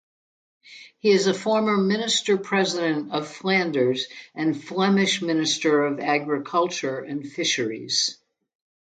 He is a former Minister-President of Flanders and Flemish Minister of Agriculture and Fisheries.